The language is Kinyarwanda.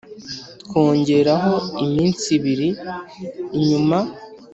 twongeraho iminsi ibiri inyuma,